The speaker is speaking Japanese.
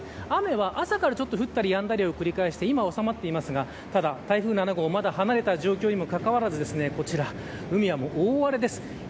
雨は朝から降ったりやんだりして今、おさまっていますがただ、台風７号まだ離れた状況にもかかわらずこちら、海は大荒れです。